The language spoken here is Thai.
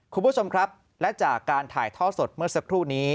คุณผู้ชมครับและจากการถ่ายท่อสดเมื่อสักครู่นี้